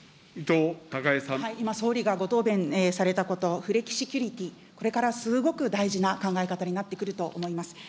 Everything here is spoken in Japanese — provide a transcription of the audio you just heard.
今、総理がご答弁されたこと、フレキシキュリティ、これからすごく大事な考え方になってくると思います。